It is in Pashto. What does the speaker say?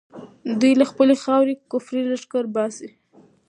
دوی له خپلې خاورې کفري لښکر باسي.